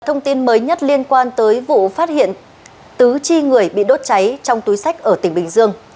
thông tin mới nhất liên quan tới vụ phát hiện tứ chi người bị đốt cháy trong túi sách ở tỉnh bình dương